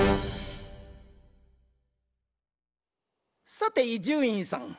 さて伊集院さん。